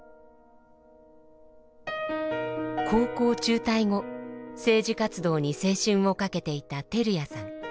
高校中退後政治活動に青春をかけていた照屋さん。